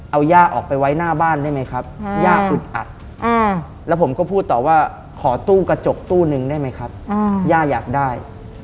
เอาย่าออกไปไว้หน้าบ้านได้ไหมครับย่าอึดอัดแล้วผมก็พูดต่อว่าขอตู้กระจกตู้นึงได้ไหมครับย่าอยากได้